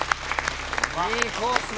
いいコースだ。